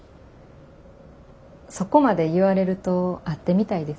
そこまで言われると会ってみたいです。